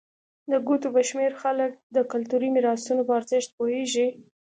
د ګوتو په شمېر خلک د کلتوري میراثونو په ارزښت پوهېږي.